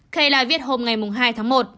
kelly lại viết hôm hai tháng một